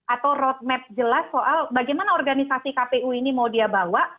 atau roadmap jelas soal bagaimana organisasi kpu ini mau dia bawa